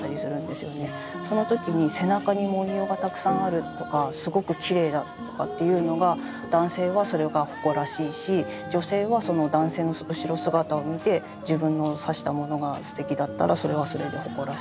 その時に背中に文様がたくさんあるとかすごくきれいだとかっていうのが男性はそれが誇らしいし女性はその男性の後ろ姿を見て自分の刺したものがすてきだったらそれはそれで誇らしい。